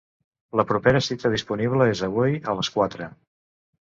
La propera cita disponible és avui a les quatre.